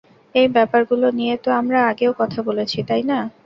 এই ব্যাপারগুলো নিয়ে তো আমরা আগেও কথা বলেছি, তাই না?